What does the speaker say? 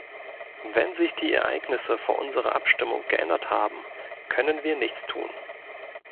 Wenn sich die Ereignisse vor unserer Abstimmung geändert haben, können wir nichts tun.